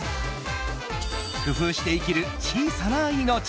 工夫して生きる小さな命。